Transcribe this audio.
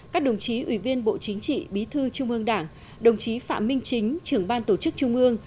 các đồng chí ủy viên bộ chính trị bí thư trung ương đảng đồng chí phạm minh chính trưởng ban tổ chức trung ương